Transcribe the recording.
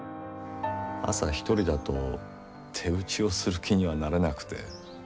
朝一人だと手打ちをする気にはなれなくて。